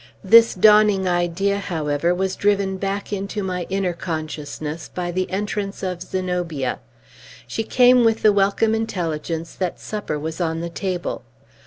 This dawning idea, however, was driven back into my inner consciousness by the entrance of Zenobia. She came with the welcome intelligence that supper was on the table.